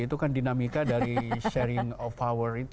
itu kan dinamika dari sharing power